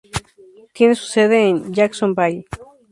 Tiene su sede en Jacksonville.